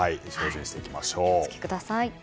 お気を付けください。